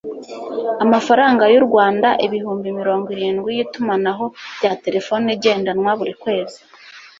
amafaranga y'u rwanda ibihumbi mirongo irindwi y'itumanaho rya telefone igendanwa, buri kwezi